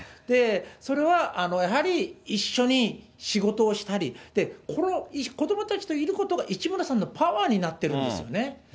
それはやはり一緒に仕事をしたり、子どもたちといることが市村さんのパワーになってるんですよね。